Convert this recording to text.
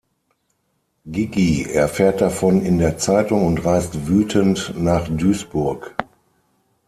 Gigi erfährt davon in der Zeitung und reist wütend nach Duisburg.